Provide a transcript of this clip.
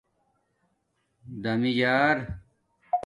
دمیجݴر